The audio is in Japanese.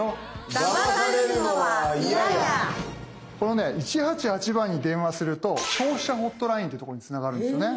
このね１８８番に電話すると消費者ホットラインっていうとこにつながるんですよね。